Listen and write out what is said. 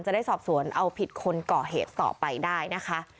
จะได้สอบสวนเอาผิดคนก่อเหตุต่อไปได้นะคะ